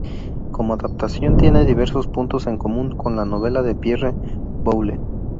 Como adaptación tiene diversos puntos en común con la novela de Pierre Boulle.